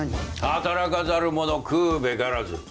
働かざる者食うべからず。